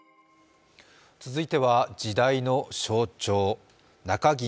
続いては時代の象徴、中銀